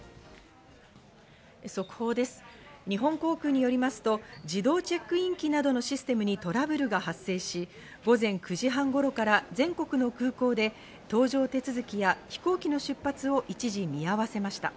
速報です、日本航空によりますと、自動チェックイン機などのシステムにトラブルが発生し、午前９時半頃から全国の空港で搭乗手続きや飛行機の出発を一時見合わせました。